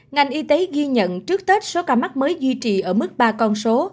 ngành y tế ghi nhận trước tết số ca mắc mới duy trì ở mức ba con số